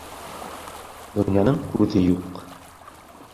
Донъяның күҙе юҡ.